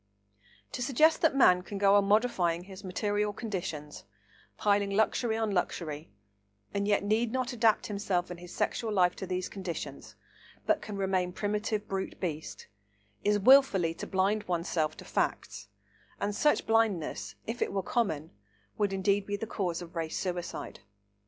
To suggest that man can go on modifying his material conditions, piling luxury on luxury, and yet need not adapt himself and his sexual life to these conditions, but can remain primitive brute beast, is wilfully to blind oneself to facts, and such blindness, if it were common, would indeed be the cause of race suicide.